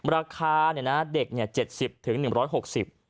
ราคาเนี่ยนะเด็กเนี่ยเจ็ดสิบถึงหนึ่งร้อยหกสิบ